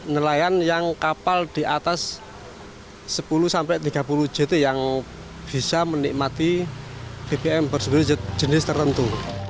nelayan yang kapal di atas sepuluh sampai tiga puluh jt yang bisa menikmati bbm bersubsidi jenis tertentu